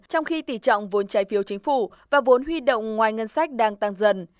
trong khi tỷ trọng vốn trái phiếu chính phủ và vốn huy động ngoài ngân sách đang tăng dần